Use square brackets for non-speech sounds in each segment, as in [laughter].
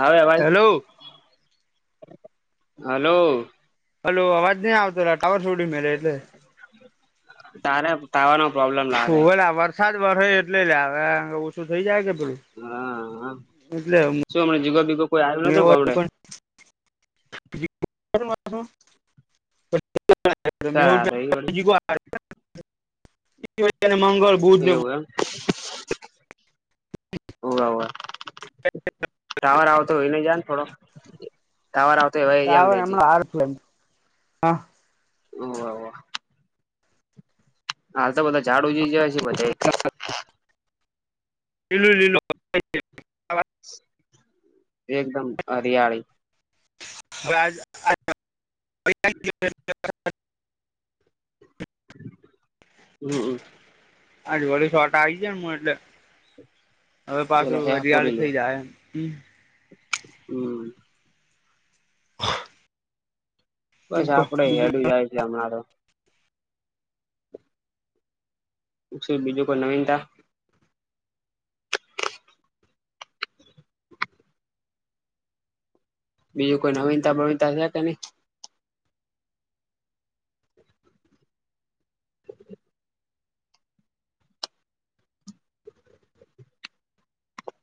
આવે અવાજ hello hello. Hello અવાજ નહી આવતો ટવર સોડી્યું મેલે એટલે તારા તવા નો પ્રોબલેમાગ શું હેલા વરસાદ વરસ એટલે લે આવે ઓછું થઈ જાય કે પેલું હા એટલે શું હમણા જીગો બીગો કોઈ આવ્યું નતું ગમડે [unintelligible] તાર [inaudible] એવું [inaudible] એવું એમ ઓ ટાવર આવતો હોય નને જ થોડો ટાવર આવતો હોય એવા એરિયામાં રેજે. [inaudible] હા [inaudible] હાલ તો બધા ઝાડું જ જ છે. બધે [inaudible] એકદમ હરિયાળી [inaudible] હમ્મ, હમ્મ આજધી શોર્ટ આવી જાય ને હું એટલે અવે એટલે પાછું હેહ હરિયાળ પૂરી લે થઈ જાય હે. હમ. [unintelligible] શું બસ કો આપડે બીજું હેડું જાય છે અમણાં તો. બીજું કોઈ નવીનતા. બીજું કોઈ નવીનતા બવીનતા છે કે નઈ?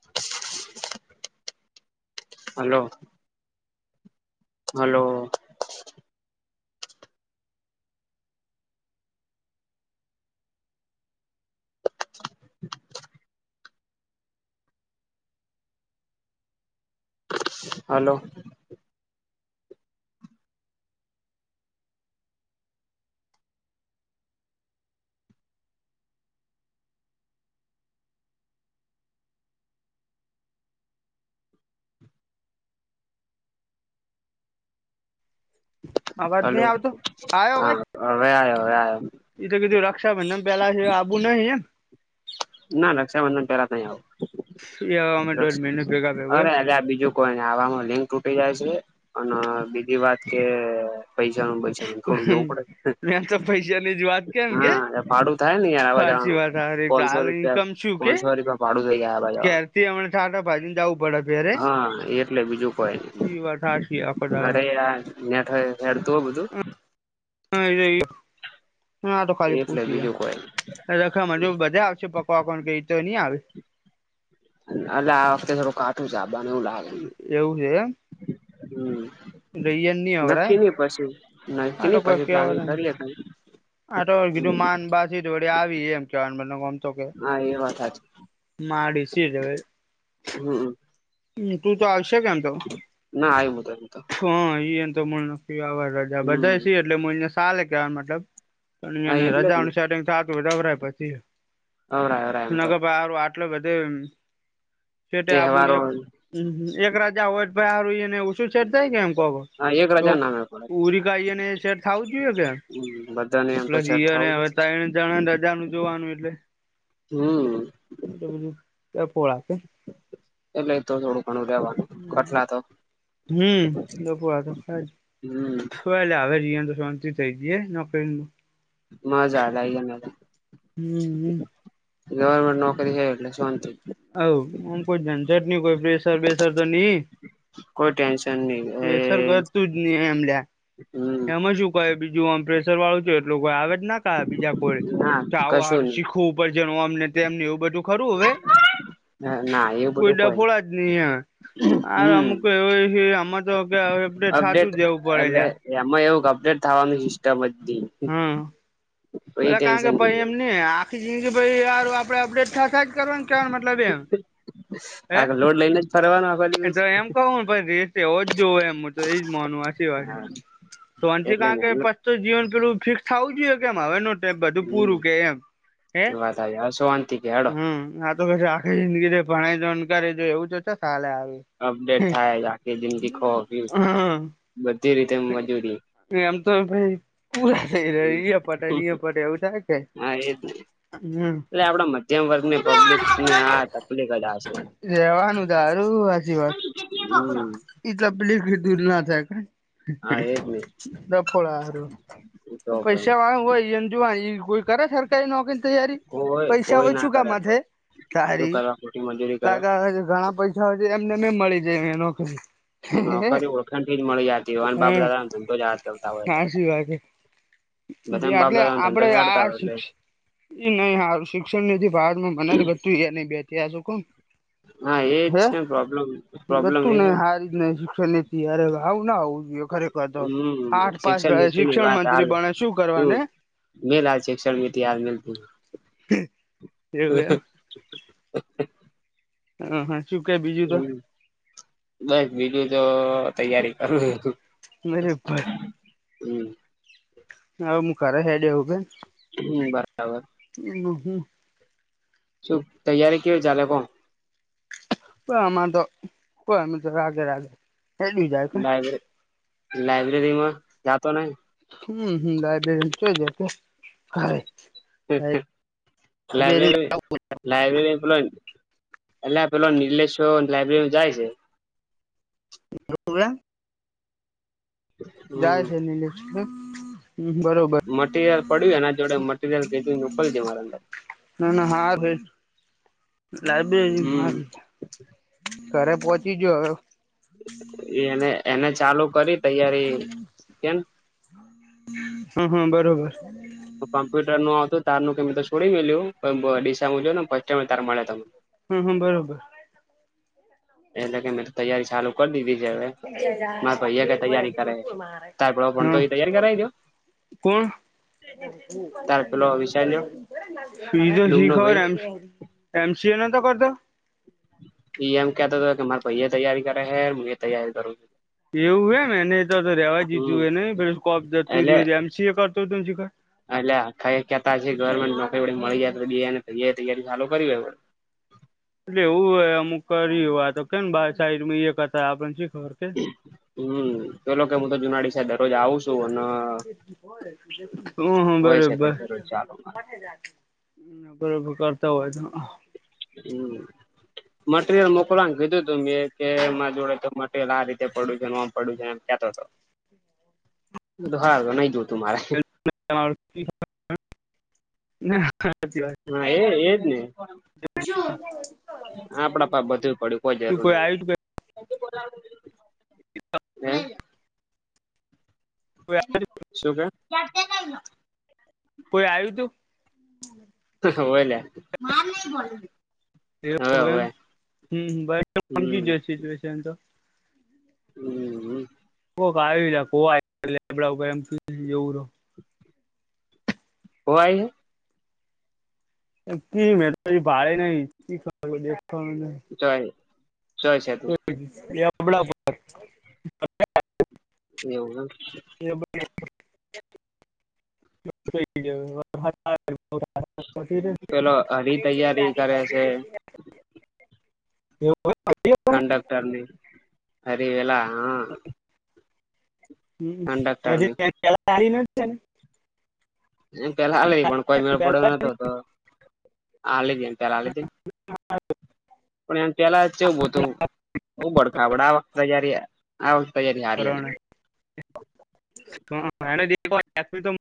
[inaudible] હલો! હલો! હાલો! અવાજ નહી હાલો આવતો આવ્યો હા અવાજ અવે આવ્યો અવે આવ્યો. તો કીધું રક્ષાબંધન પહેલા આપવું નહીં. ના રક્ષાબંધન પેલા નઈ આવું. એ અમે દોઢ મહિને ભેગા ભેગો અરે આ બીજું કોઈને આવામાં લિંગ તૂટી જાય છે. અને બીજી વાત કે પૈસાનું બચાવ થોડું જોવું પડે. મેં તો પૈસાની જ વાત કેમ કે હા ભાડું થાય ને યાર આવા ફારસી જવાનું. વાત હારી તો પોનસો હાલ રૂપિયા ઇન્કમ શું કે પાનસો રૂપિયા ભાડું થઈ જાય આવા જવાનું. ક્યારથી હમણા ટાટા ભાજીને જવું પડે ત્યારે હા એટલે બીજું કોઈ નઈ અરે [unintelligible] નેટ હેડતું હોય બધું [unintelligible] એટલે બીજું કોઈ રાખવામાં જો બધે આવશે પપ્પા પણ કેય તો ની આવે. અલે આ વખતે થોડું કાટું છે મને એવું લાગ એવું છે હે હમ એમ ગઈએન ની અવરાય. નક્કી નઈ પછી નક્કી પહી પ્લાનિંગ કરીએ પહી આતો કીધું માન બાથી દોડી આવી એમ કેવા મતલબ ઑમ તો કે હા એ વાત હાચી માડી સી જ હવે હમમ. મુઠું તો આવશે કે એમ તો ના આવ્યું તો એમ તો હા ઈએન તો મ રેઆવાર રજા હમ બધા સી એટલે મું અહીંયા સાલે કેવા મતલબ અન હા ઈયોન એટલે જ ને રજાઓનું સેટિંગ થાતું હોય તો અવરાય પછી અવરાય અવરાય એમ તો નક પાહળ વાત એટલે બધે છેટે આબુ ને તહેવારો એક હમમ એક રજા હોય તો પહી હાહરુંને ઇયેને ઓછું છેેટ થાય કે એમ કહુ હુ. હા એક તો રજા નામે પડે ઉરી કાઈ અને શેર થાવું જોઈએ કે? હમ બધાને એમ તો પ્લસ સેટ ઈયને થવું અવે જોઈએ તણ જણને રજાનું જોવાનું એટલે. હમ. એમ તો બધું તે ફળ આપે. એટલે એ થોડું ઘણું લેવાનું કઠલા તો. હમ બપોરા તો થાયન. હમ તો એલે હવે જીઆન તો શાંતિ થઈ જઈએ નોકરીનું. [unintelligible] હમ ગવર્મેન્ટ નોકરી હે એટલે. શાંતિ હઉ કોઈ ઝજટની કોઈ પ્રેશર બેસર તો નહીં. કોઈ ટેન્શન નહી એ પ્રેશર હતુ જ નહીં એમ લ્યા હમ એમાં શું. તોએ બીજું આમ પ્રેશર વાળું છે એટલું કોઈ આવે જ ના કા બીજા કોઈ ના ત આવું કશું હાહરું નહી શીખવું પડશે આમને તેમને એવું બધું ખરું અવે. ના એવું કોઈ બધું ડફોળા જ નહીંઆ. આ હમ અમુક એવું એ હે અમતો કે હવે અપડેટ થાતું જ રેવું પડે લ્યા. એમાં એવું ક અપડેટ થવાનું સિસ્ટમ જ ધી હમ. પેલા કારણ કે ભાઈ નહી એમ ને આખી જિંદગી ભાઈ યાર આપડે અપડેટ થા થા જ કરવાનું કેવાન મતલબ એમ. હે આતો લોડ લઈને જ ફરવાનો આપ તો એમ કહુંન પહી રેટ એવો જ જોવ એમ મું તો એજ માનું હાચી વાત હે. હા ફોનથી એટલે કારણ કે મહેનત પસ્ત તો જીવન પેલું ફિક્સ થવું જોઈએ કેમ હવેનું તે બધું હમ પૂરું કે એમ હે વાત આવી હવે શાંતિ કે હેડો હમ નાર તો પછ આખી જિંદગી જે ભણેય જોન કરેય જો એવું તો ચો સાલે આવ અપડેટ થાય આખી જિંદગી ખો પીઓ બધી રીતે મજૂરી. એમ તો ભઈ પૂરા થઈ રહ્યા ઇયે પત ઈય પત એવું થાય કે. હા એજ ને હમ. એટલે આપડા મધ્યમ વર્ગની પબ્લિકની આ તકલીફ જ આ શે. રેવાનું તારું હાચી વાત. હમ. ઈ તપલીખે દૂર ના થાય હા એજ ને ડફોડા હાહરું. તો પૈસા વાળાન હોય ઈયોન જોવા એ કોઈ કર સરકારી નોકરીન તૈયારી. કોઈ પૈસા કોઈ ના ઓછુ કરે કમાંથે કોઈ શું તાહરી કરવા ખોટી મજૂરી કરે કાક હવ ઘણા પૈસ હવે તો એમને મે મળી જાય નોકરી. નોકરી ઓળખાણથી જ મળી જતી હોયન બાપ હમ દાદાન ધંધો જ હાથ કરતા હોય એટલે બધા. સાચી વાત બધા બાપ એટલે દાદાન ધંધા આપડે હેડતા હો આ એટલે. શિક્ષ એ નહી હાર શિક્ષણ નીથી બારમાં મન જ ઘટતું નહી બે આ શું કમ. હા એજ છેને પ્રોબ્લેમ પ્રોબ્લેમ એ હેન. ને શિક્ષણ લેતી હારે આવું ના આવું હમ શિક્ષણ નીતિ ની શિક્ષણ વાત હાલ મંત્રી બને શું તું. કરવાને મિલાલ શિક્ષણ મિતથી [unintelligible] એવું એમ હ હા શું ક બીજું તો હમ બસ બીજું તો તૈયારી કરું હૂ મેરે ભાઈ હમ્મ હા મુું કરા હે ડી હ કે હમ્મ બરાબર બહુ શું તૈયારી કેવી ચાલે કો કોઈ અમા તો કોઈ અ તો રાગે રાગે હેડ્યું જાય કે લયબ્રે લયબ્રેરીમાં જતો નહી હમ્મ હમ્મ લાયબ્રેરી ચઈ જાય કે [unintelligible] લાયબ્રેરી લાઈબ્રેરી લાયબ્રેરી પેલો એલા પેલો નિનીલેશ લાયબ્રેરી જાય છે જાય હમ છે નિલેશ બરોબર મટરિયલ પડ્યું એના જોડે મટીરિયલ કેધ મોકલ છે મારા અંદર ના ના હાર હે લાઈબ્રેરી હ હમ ઘરે પહોંચી ગયો હવે એ એને એને ચાલુ કરી તૈયારી કેમ હા હા બરોબર કમ્પ્યુટર નુ આતું તાર ન કે તો છોડી મે લ્યું જો ને ફ ટાઈ તાર મળે તને હમ હમ્મ બરોબર એટલે કે મેં તો તૈયારી ચાલુ કરી દીધી છે હવે મારા ભૈયા કે તૈયારી કરે તાર પેલો ભણતો એ તૈયારી કરાવી દો [unintelligible] કોણ તાર પેલો વિશાલ જો સી તો શી ડૂમનો ખબર ભાઈ એમ એમસી એ ન તો કરી તો એ એમ કેતો હતો કે મારે ભાઈ એ તૈયારી કરે છે હું એ તૈયારી કરું છું એવું હોમ એને એ તો તો રવા જીધું હમ હોય ને પ એટલે કોપુર્યું હોય એમ સી કરતો શીખ એટલે આખા કતા ગવર્મેન્ટ નોકરી વી મળી જાય તો ગ ને તૈયારી ચાલુ કરીવી હોય એટલે એવું હોય અમુક કર્યું આ તો કેમ બાર સાઈડમાં એ કથા આપણને શી ખબર કે હમ્મ તો લોકો કે મુું તો જુનાડી સાહેબ દરરોજ હૂ આવું છું અને હોય હાંભળું બો છે દરરોજ ચાલુ બરોબર કરતા હોય તો હમ્મ મટીરિયલ મોકલવાનું કીધું તું મેં કે મારા જોડે તો મટેલિયલ આ રીતે પડું છે હ આમ પડું છે એમ કેતો હતો તો હા નહી જોતું મારે હા એ એજ ને આપણા પા બધું પડ્યું કોઈ જરૂર નહી [unintelligible] શું કે કોઈ આવ્યું તું હોય ને માર નહીં ભણું એ એમ હ સમજી જ હમ સુચવેશન તો હમ્મ કોક આવી કો લીમડા ઉપર એમ [unintelligible] રહો [unintelligible] [unintelligible] જોય જોય છે તું એ આપણા ઉપર [inaudible] એવું એમ [inaudible] [unintelligible] પેલો હરી તૈયારી કરે છે એવું [inaudible] કંડક્ટરની અરે એલા હા હમ કંડક્ટર ની [unintelligible] પેલાને છે ને એમ પેલા હાલીધી પણ કોઈ મેળ પડ્યો નતો તો હા આલીધી એમ પેલા આલીધી પણ એ પેલા કેવું ચેવું હતું બુ બડખાબડ આ વખતે જય્યારે આ વખતે યારે હારીલી [unintelligible]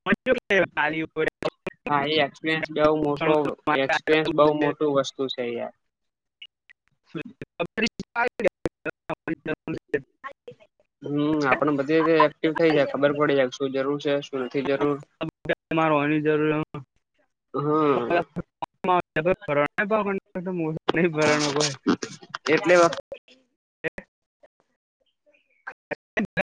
એ ખાલી [unintelligible] હા એ એક્સપિરિયસ બહુ મોટો એક્સપિરિયન્સ બહુ મોટું વસ્તુ છે યાર [inaudible] હમ આપડે બધી એક્ટિવ થઇ જાય ખબર પડી જાય શું જરૂર છે શું નથી જરૂર તમાર હોવાની જરૂર હમ ભર નહી ભર કો [unintelligible] એટલે વા [inaudible]